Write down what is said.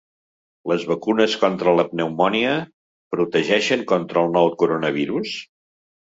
Les vacunes contra la pneumònia, protegeixen contra el nou coronavirus?